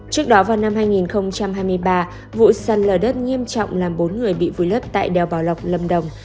trước đó vào năm hai nghìn hai mươi ba vụ săn lở đất nghiêm trọng làm bốn người bị vùi lấp tại đèo bảo lộc lâm đồng